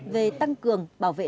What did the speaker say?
về tăng cường bảo vệ